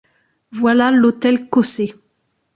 Voilà l’hôtel Cossé.